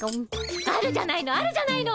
あるじゃないのあるじゃないの。